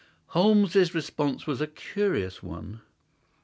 Holmes's response was a curious one.